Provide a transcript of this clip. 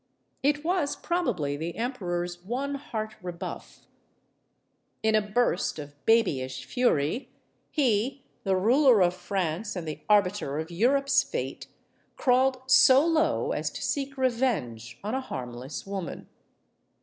It was probably the emperor's one heart rebuff. In a burst of babyish fury, he the ruler of France and the arbiter of Europe's fate crawled so low as to seek revenge on a harmless woman.